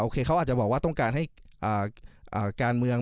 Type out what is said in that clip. เขาอาจจะบอกว่าต้องการให้การเมือง